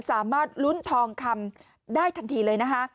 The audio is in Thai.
สามารถลุ้นทองคำได้ทันทีเลยนะคะ